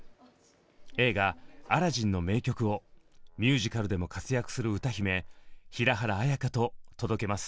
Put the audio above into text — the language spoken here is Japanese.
映画「アラジン」の名曲をミュージカルでも活躍する歌姫平原綾香と届けます。